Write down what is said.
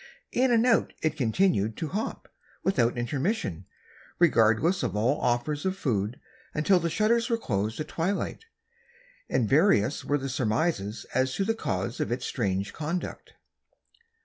In and out it continued to hop, without intermission, regardless of all offers of food, until the shutters were closed at twilight, and various were the surmises as to the cause of its strange conduct.